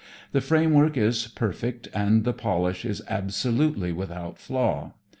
The framework is perfect and the polish is absolutely without flaw.